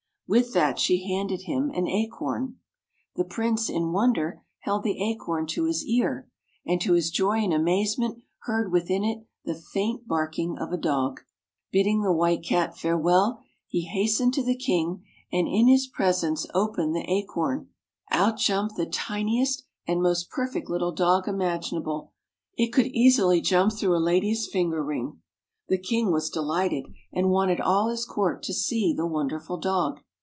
With that, she handed him an acorn. The Prince, in wonder, held the acorn to his ear, and to his joy and amazement heard within it the faint barking of a dog. Bidding the White Cat farewell, he has tened to the King, and in his presence opened the acorn. Out jumped the tiniest [ 66 ] THE WHITE CAT and most perfect little dog imaginable. It could easily jump through a lady's finger ring. The King was delighted, and wanted all his court to see the wonderful dog.